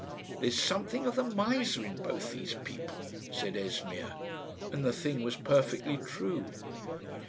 "There's something of the miser in both these people," said Esmeer, and the thing was perfectly true.